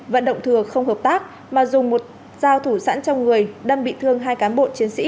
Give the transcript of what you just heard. vận động thừa không hợp tác mà dùng một dao thủ sẵn trong người đâm bị thương hai cán bộ chiến sĩ